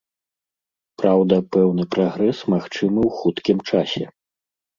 Праўда, пэўны прагрэс магчымы ў хуткім часе.